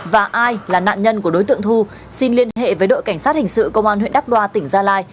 và ai là nạn nhân của đối tượng thu xin liên hệ với đội cảnh sát hình sự công an huyện đắk đoa tỉnh gia lai